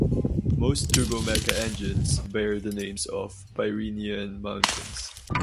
Most Turbomeca engines bear the names of Pyreneean mountains.